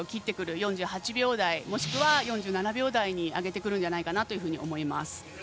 ４８秒台かもしくは４７秒台に上げてくるんじゃないかなと思います。